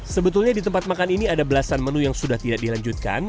sebetulnya di tempat makan ini ada belasan menu yang sudah tidak dilanjutkan